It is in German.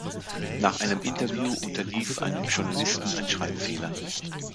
Nach einem Interview unterlief einem Journalisten ein Schreibfehler.